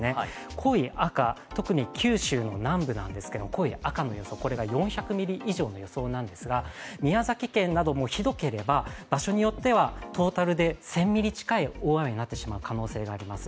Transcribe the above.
濃い赤、特に九州の南部なんですけど濃い赤の予想、これが４００ミリ以上の予想なんですが、宮崎県など、ひどければ、場所によってはトータルで１０００ミリ近い大雨になってしまう可能性があります。